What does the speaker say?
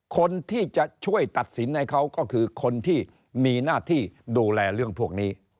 คนที่จะช่วยตัดสินให้เขาก็คือคนที่มีหน้าที่ดูแลเรื่องพวกนี้